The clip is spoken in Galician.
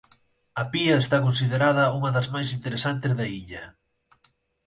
A pía está considerada unha das máis interesantes da illa.